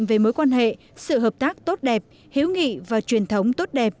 về mối quan hệ sự hợp tác tốt đẹp hiếu nghị và truyền thống tốt đẹp